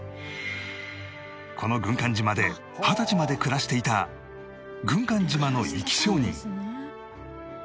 この軍艦島で２０歳まで暮らしていた軍艦島の生き証人